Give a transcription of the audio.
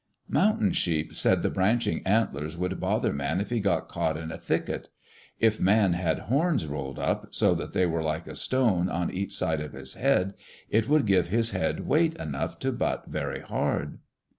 Mountain Sheep said the branching antlers would bother man if he got caught in a thicket. If man had horns rolled up, so that they were like a stone on each side of his head, it would give his head weight enough to butt very hard.